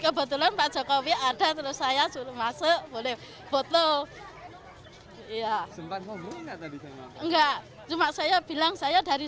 kebetulan pak jokowi ada terus saya suruh masuk boleh foto iya nggak cuma saya bilang saya dari